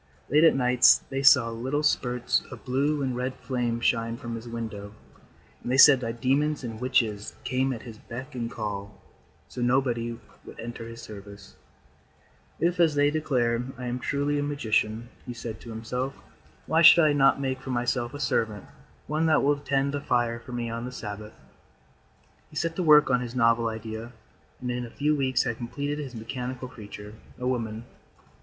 Late at nights they saw little spurts of blue and red flame shine from his window, and they said that demons and witches came at his beck and call. So nobody would enter his service. [Illustration: The monster was battering down the door of the synagogue. (Page 249).] "If, as they declare, I am truly a magician," he said to himself, "why should I not make for myself a servant, one that will tend the fire for me on the Sabbath?" He set to work on his novel idea and in a few weeks had completed his mechanical creature, a woman.